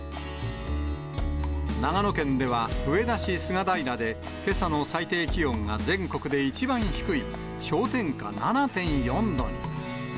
長野県では上田市菅平で、けさの最低気温が全国で一番低い氷点下７．４度に。